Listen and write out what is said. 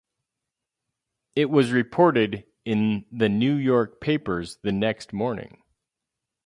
It was reported in the New york papers the next morning.